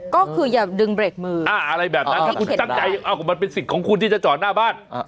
ก็คืออย่าดึงเบรกมืออะไรแบบนั้นถ้าคุณตั้งใจเอามันเป็นสิทธิ์ของคุณที่จะจอดหน้าบ้าน